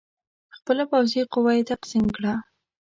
خپله پوځي قوه یې تقسیم کړه.